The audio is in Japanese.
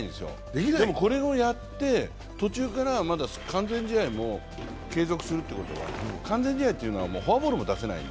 でも、これをやって、途中から、まだ完全試合も継続するということは完全試合というのはフォアボールも出せない。